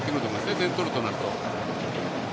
点取るとなると。